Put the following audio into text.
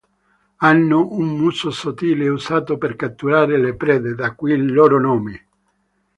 Hanno un muso sottile usato per catturare le prede, da qui il loro nome.